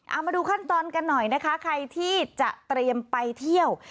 เอามาดูขั้นตอนกันหน่อยนะคะใครที่จะเตรียมไปเที่ยว